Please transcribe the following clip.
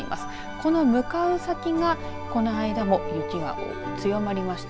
この向かう先がこの間も雪が強まりました。